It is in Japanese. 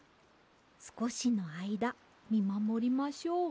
すこしのあいだみまもりましょう。